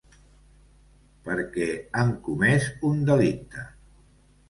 Perquè han comès un delicte.